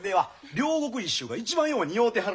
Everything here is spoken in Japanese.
両国一周が一番よう似合うてはる。